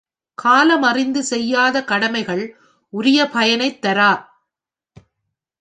காலமறிந்து செய்யாத கடமைகள் உரிய பயனை தாரா.